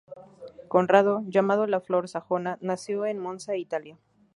Conrado, llamado la flor sajona, nació en Monza, Italia.